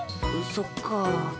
そっか。